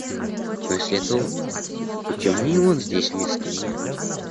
Но если это он, почему не он здесь вместо меня?